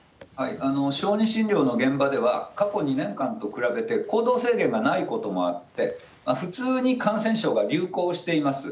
小児診療の現場では、過去２年間と比べて、行動制限がないこともあって、普通に感染症が流行しています。